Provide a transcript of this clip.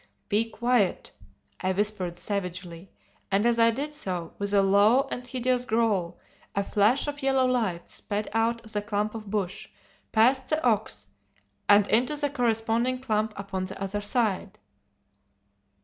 "'Be quiet!' I whispered, savagely; and as I did so, with a low and hideous growl a flash of yellow light sped out of the clump of bush, past the ox, and into the corresponding clump upon the other side.